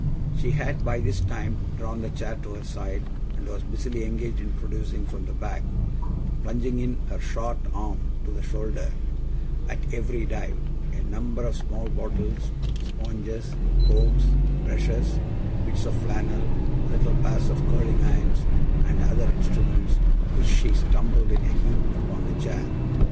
She had by this time drawn the chair to her side, and was busily engaged in producing from the bag (plunging in her short arm to the shoulder, at every dive) a number of small bottles, sponges, combs, brushes, bits of flannel, little pairs of curling irons, and other instruments, which she tumbled in a heap upon the chair.